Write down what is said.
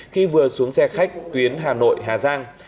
khi vừa xuống xe khách tuyến hà nội hà giang